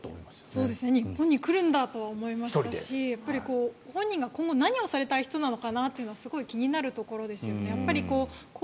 日本に来るんだと思いましたし本人が何をされた人なのかなというのはすごく気になるところですよね。